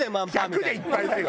１００でいっぱいだよ。